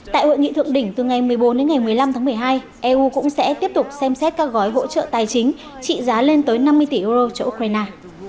tại hội nghị thượng đỉnh từ ngày một mươi bốn đến ngày một mươi năm tháng một mươi hai eu cũng sẽ tiếp tục xem xét các gói hỗ trợ tài chính trị giá lên tới năm mươi tỷ euro cho ukraine